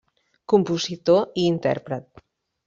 Compositor i intèrpret.